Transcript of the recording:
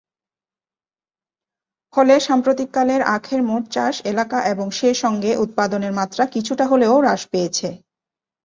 ফলে সাম্প্রতিককালে আখের মোট চাষ এলাকা এবং সেসঙ্গে উৎপাদনের মাত্রা কিছুটা হলেও হ্রাস পেয়েছে।